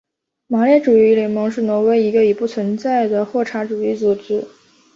马列主义联盟是挪威的一个已不存在的霍查主义组织。